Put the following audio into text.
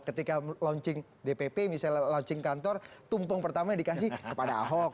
ketika launching dpp misalnya launching kantor tumpeng pertama yang dikasih kepada ahok